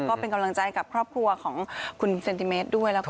ก็เป็นกำลังใจกับครอบครัวของคุณเซนติเมตรด้วย